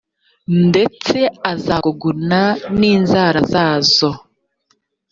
ndetse azaguguna n inzara zazo